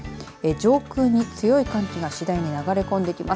上空に強い寒気が次第に流れ込んできます。